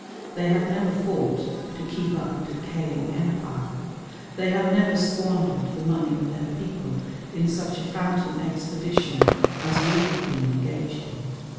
They have never fought to keep up a decaying empire. They have never squandered the money of their people in such a phantom expedition as we have been engaged in.